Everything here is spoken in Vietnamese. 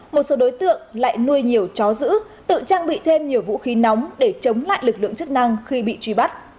một số đối tượng lại nuôi nhiều chó giữ tự trang bị thêm nhiều vũ khí nóng để chống lại lực lượng chức năng khi bị truy bắt